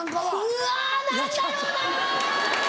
うわ何だろうな！